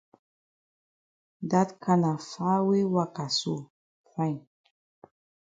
Dat kana far way waka so fine.